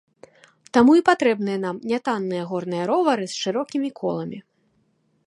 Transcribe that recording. Таму і патрэбныя нам нятанныя горныя ровары з шырокімі коламі.